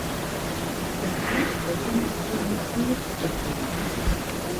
Das Taufbecken ist wie ein Kelch geformt.